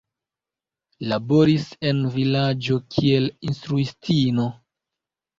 Laboris en vilaĝo kiel instruistino.